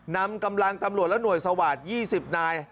นำกำลังตำรวจและหน่วยสวาสตร์๒๐นาย